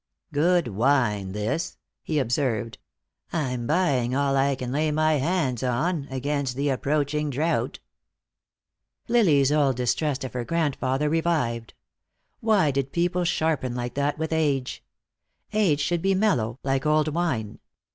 "Good wine, this," he observed. "I'm buying all I can lay my hands on, against the approaching drought." Lily's old distrust of her grandfather revived. Why did people sharpen like that with age? Age should be mellow, like old wine.